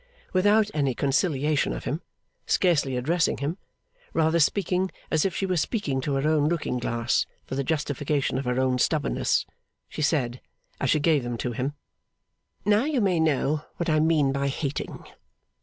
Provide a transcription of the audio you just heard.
Without any conciliation of him, scarcely addressing him, rather speaking as if she were speaking to her own looking glass for the justification of her own stubbornness, she said, as she gave them to him: 'Now you may know what I mean by hating!